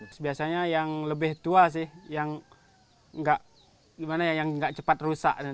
tapi ada lebih tua sih yang nggak cepat rusak